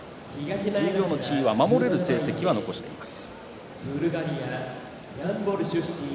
十両の地位は守れる成績は残しています。